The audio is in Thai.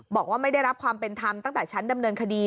บอกว่าไม่ได้รับความเป็นธรรมตั้งแต่ชั้นดำเนินคดี